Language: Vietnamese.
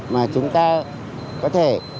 mà chúng ta có thể